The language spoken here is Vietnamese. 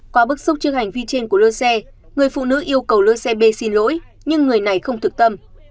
qua bức xúc trước hành vi trên của lơ xe người phụ nữ yêu cầu lơ xe b xin lỗi nhưng người này không thực tâm